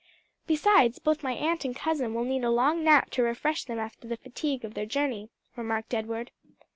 "Besides, both my aunt and cousin will need a long nap to refresh them after the fatigue of their journey," remarked Edward.